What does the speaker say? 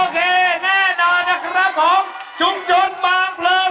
กรอเหรอ